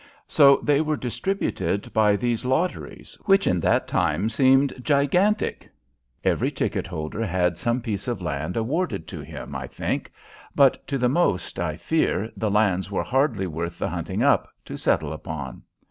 So they were distributed by these Lotteries, which in that time seemed gigantic. Every ticket holder had some piece of land awarded to him, I think, but to the most, I fear, the lands were hardly worth the hunting up, to settle upon.